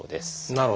なるほど。